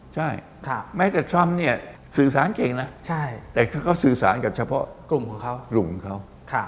ใช่แม้แต่ทรัมป์เนี่ยสื่อสารเก่งนะแต่เขาสื่อสารกับเฉพาะกลุ่มของเขากลุ่มของเขา